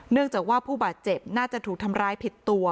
เนื่องจากว่าผู้บาดเจ็บน่าจะถูกทำร้ายผิดตัว